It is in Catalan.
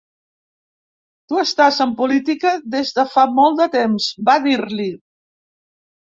Tu estàs en política des de fa molt de temps, va dir-li.